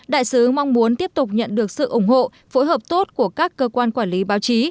đại sứ mong muốn tiếp tục nhận được sự ủng hộ phối hợp tốt của các cơ quan quản lý báo chí